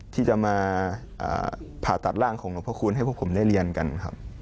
ที่จะมาผ่าตัดร่างของหลวงพระคุณให้พวกผมได้เรียนกันครับ